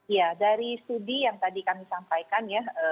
ya dari studi yang tadi kami sampaikan ya